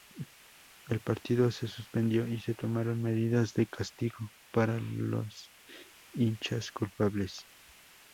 El partido se suspendió y se tomaron medidas de castigo para los hinchas culpables.